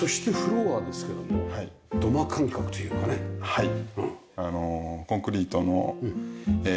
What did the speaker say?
はい。